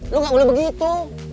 lu gak boleh begitu